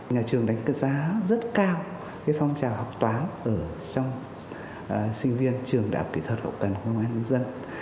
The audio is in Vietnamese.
nhà trường đánh giá rất cao phong trào học tóa trong sinh viên trường đạp kỹ thuật hậu cần của nguyên nhân dân